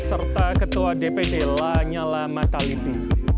serta ketua dpd lanyala mataliti